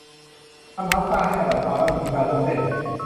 ทำพาสต้าให้อร่อย ความลับอยู่ที่การลวกเส้น